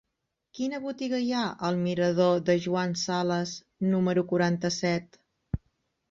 Quina botiga hi ha al mirador de Joan Sales número quaranta-set?